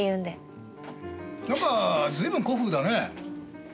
なんか随分古風だねえ。